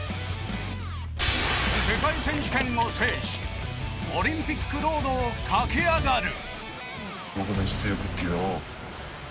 世界選手権を制しオリンピックロードを駆け上がる。